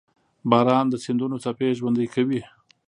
• باران د سیندونو څپې ژوندۍ کوي.